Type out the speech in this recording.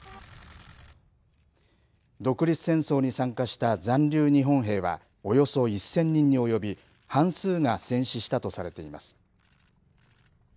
独立戦争に参加した残留日本兵はおよそ１０００人におよび、半数が戦死したとされています。